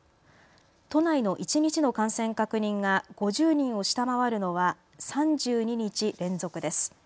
都内の一日の感染確認が５０人を下回るのは３２日連続です。